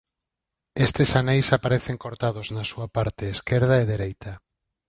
Estes aneis aparecen cortados na súa parte esquerda e dereita.